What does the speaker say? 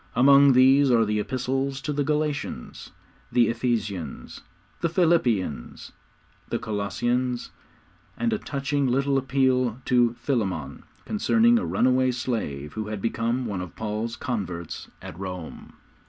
Among these are the Epistles to the Galatians, the Ephesians, the Philippians, the Colossians, and a touching little appeal to Philemon concerning a runaway slave who had become one of Paul's converts at Rome.